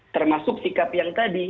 termasuk sikap yang tadi